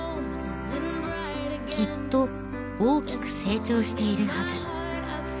きっと大きく成長しているはず